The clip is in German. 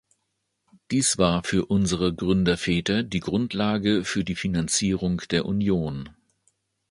Dies war für unsere Gründerväter die Grundlage für die Finanzierung der Union.